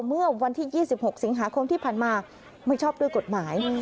เมื่อวันที่๒๖สิงหาคมที่ผ่านมาไม่ชอบด้วยกฎหมาย